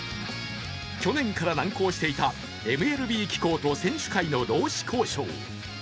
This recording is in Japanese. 去年から難航していたＭＬＢ機構と選手会の労使交渉。